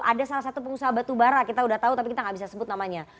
ada salah satu pengusaha batubara kita udah tahu tapi kita nggak bisa sebut namanya